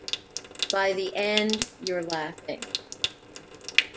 By the end, you're laughing.